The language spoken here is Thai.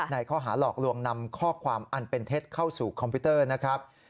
ข้อหาหลอกลวงนำข้อความอันเป็นเท็จเข้าสู่คอมพิวเตอร์นะครับ